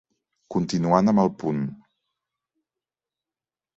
Continuant amb el punt.